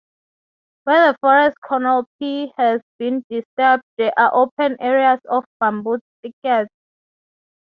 Where the forest canopy has been disturbed there are open areas of bamboo thickets.